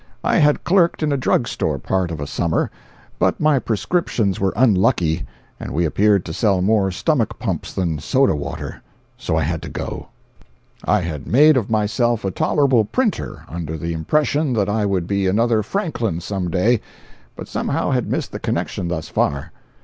I had clerked in a drug store part of a summer, but my prescriptions were unlucky, and we appeared to sell more stomach pumps than soda water. So I had to go. 293.jpg (43K) I had made of myself a tolerable printer, under the impression that I would be another Franklin some day, but somehow had missed the connection thus far.